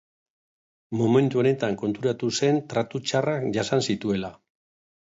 Momentu honetan konturatu zen tratu txarrak jasan zituela.